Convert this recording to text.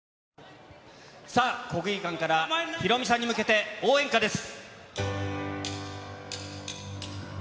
さあ、国技館からヒロミさんに向けて、応援歌です。